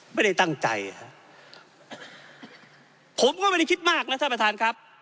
ไม่ได้ตั้งใจฮะผมก็ไม่ได้คิดมากนะท่านประธานครับ